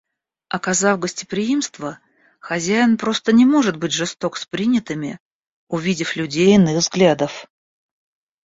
Оказав гостеприимство, хозяин просто не может быть жесток с принятыми, увидев людей иных взглядов.